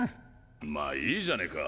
まあいいじゃねぇか。